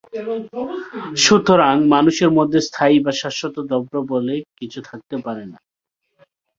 সুতরাং, মানুষের মধ্যে স্থায়ী বা শাশ্বত দ্রব্য বলে কিছু থাকতে পারে না।